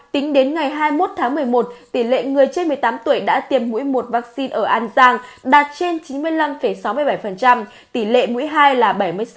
tính đến ngày hai mươi một tháng một mươi một tỷ lệ người trên một mươi tám tuổi đã tiêm mũi một vaccine ở an giang đạt trên chín mươi năm sáu mươi bảy tỷ lệ mũi hai là bảy mươi sáu